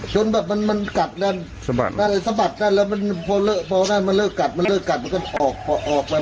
จนแบบมันกัดด้านสะบัดด้านแล้วมันเลิกกัดมันเลิกกัดมันก็ออกไป